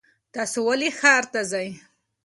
تاسو ولې ښار ته ځئ؟